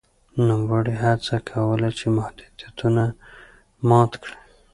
نوموړي هڅه کوله چې محدودیتونه مات کړي.